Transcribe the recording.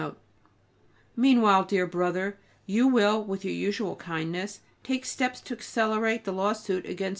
[B] Meanwhile, dear brother, you will, with your usual kindness, take steps to accelerate the lawsuit against M.